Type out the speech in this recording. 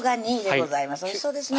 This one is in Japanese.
おいしそうですね